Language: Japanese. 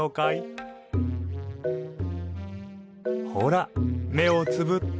ほら目をつぶって。